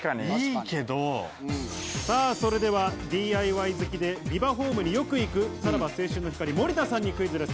それでは、ＤＩＹ好きで、ビバホームによく行く、さらば青春の光・森田さんにクイズです。